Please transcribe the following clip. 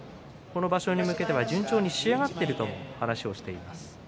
この場所に向けては順調に仕上がっていると話しています。